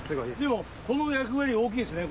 でもこの役割大きいですね。